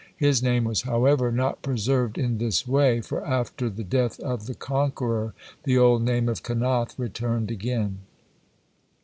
His name was, however, not preserved in this way, for after the death of the conqueror, the old name of Kenath returned again.